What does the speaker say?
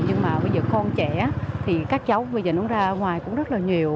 nhưng mà bây giờ con trẻ thì các cháu bây giờ nó ra ngoài cũng rất là nhiều